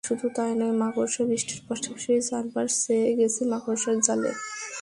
শুধু তাই নয়, মাকড়সা বৃষ্টির পাশাপাশি চারপাশ ছেয়ে গেছে মাকড়সার জালে।